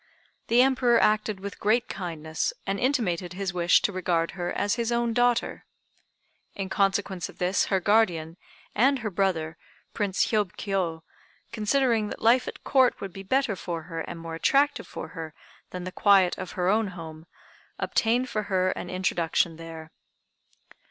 The Emperor acted with great kindness, and intimated his wish to regard her as his own daughter. In consequence of this her guardian, and her brother, Prince Hiôb Kiô, considering that life at Court would be better for her and more attractive for her than the quiet of her own home, obtained for her an introduction there.